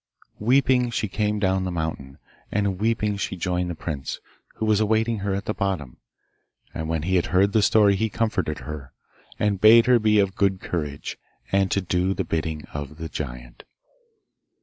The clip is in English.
Weeping she came down the mountain, and weeping she joined the prince, who was awaiting her at the bottom; and when he had heard her story he comforted her, and bade her be of good courage, and to do the bidding of the giant.